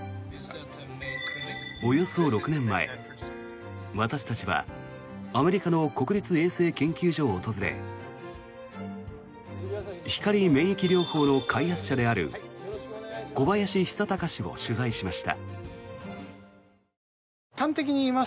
およそ６年前、私たちはアメリカの国立衛生研究所を訪れ光免疫療法の開発者である小林久隆氏を取材しました。